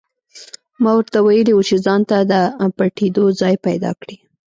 ما ورته ویلي وو چې ځانته د پټېدو ځای پیدا کړي